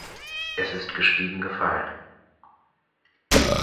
Es ist gestiegen gefallen.